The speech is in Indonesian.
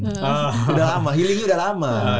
sudah lama healingnya udah lama